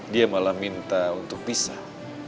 dia malah minta untuk pisah